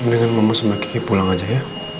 mendingan mama sama kiki pulang aja ya